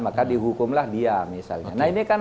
maka dihukumlah dia misalnya nah ini kan